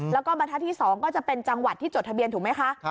แล้วก็บรรทัศน์ที่๒ก็จะเป็นจังหวัดที่จดทะเบียนถูกไหมคะ